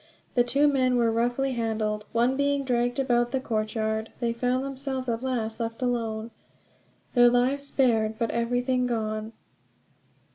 The two men were roughly handled, one being dragged about the courtyard. They found themselves at last left alone, their lives spared, but everything gone.